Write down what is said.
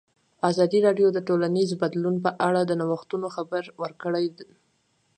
ازادي راډیو د ټولنیز بدلون په اړه د نوښتونو خبر ورکړی.